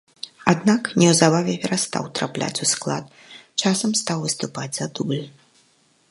Аднак, неўзабаве перастаў трапляць у склад, часам стаў выступаць за дубль.